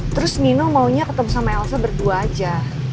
terus nino maunya ketemu sama elsa berdua aja